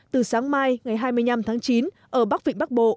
từ sáng mai ngày hai mươi năm tháng chín ở bắc vịnh bắc bộ